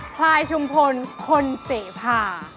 พลายชุมพลคนเสพาครับ